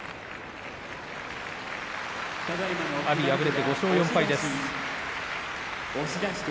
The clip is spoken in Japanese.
阿炎、敗れて５勝４敗です。